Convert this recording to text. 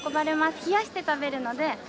冷やして食べるので。